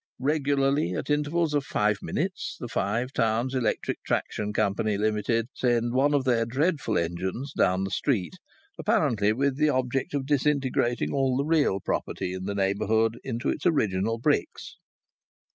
Regularly at intervals of five minutes the Five Towns Electric Traction Company, Limited, sent one of their dreadful engines down the street, apparently with the object of disintegrating all the real property in the neighbourhood into its original bricks.